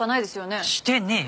してねえよ。